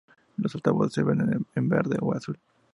Los altavoces se venden en verde o azul.